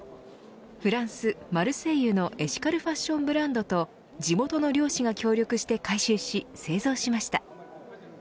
フランス、マルセイユのエシカルファッションブランドと地元の漁師が協力して回収し製造しました。